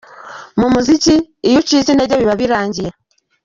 Mu muziki iyo ucitse intege biba birangiye.